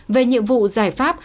về nhiệm vụ giải pháp